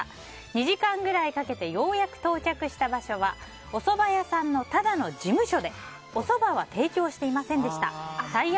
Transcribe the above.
２時間ぐらいかけてようやく到着した場所はおそば屋さんのただの事務所でおそばは提供していませんでした。